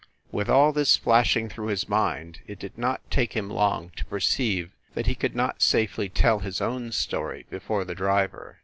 With all this flashing through his mind, it did not take him long to perceive that he could not safely tell his own story before the driver.